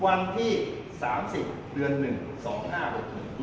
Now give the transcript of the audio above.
วันที่๓๐เดือน๑๒๕๖๑